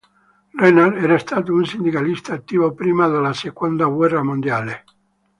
Renard era stato un sindacalista attivo prima della seconda guerra mondiale.